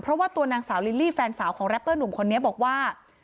เพราะว่าตัวนางสาวลิลลี่แฟนสาวของแรปเปอร์หนุ่มคนนี้บอกว่า